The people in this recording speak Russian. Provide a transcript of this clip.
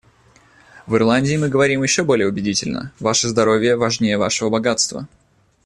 В Ирландии мы говорим еще более убедительно: «Ваше здоровье важнее Вашего богатства.